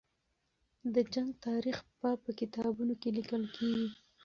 د جنګ تاریخ به په کتابونو کې لیکل کېږي.